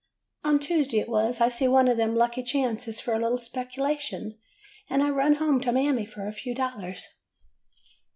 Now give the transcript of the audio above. ''On Tuesday, it was, I see one of them lucky chances for a little speculation, and I run home to Mammy for a few dollars.